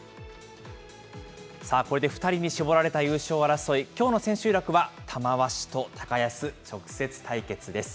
さあこれで２人に絞られた優勝争い、きょうの千秋楽は、玉鷲と高安、直接対決です。